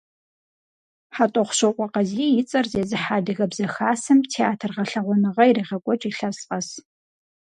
ХьэтӀохъущокъуэ Къазий и цӀэр зезыхьэ Адыгэбзэ хасэм театр гъэлъэгъуэныгъэ ирегъэкӀуэкӀ илъэс къэс.